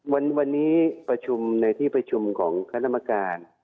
วันนี้ประชุมในที่ประชุมของคณะกรรมการ